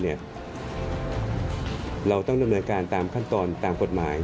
เราต้องดำเนินการตามขั้นตอนตามกฎหมาย